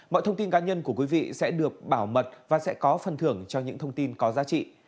mọi thông tin cá nhân của quý vị sẽ được bảo mật và sẽ có phần thưởng cho những thông tin có giá trị